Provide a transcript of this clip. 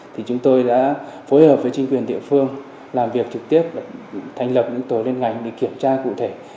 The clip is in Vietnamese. thì chúng tôi đã phối hợp với chính quyền địa phương làm việc trực tiếp thành lập những tổ liên ngành đi kiểm tra cụ thể